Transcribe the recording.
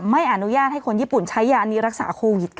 ไม่อนุญาตให้คนญี่ปุ่นใช้ยานี้รักษาโควิดค่ะ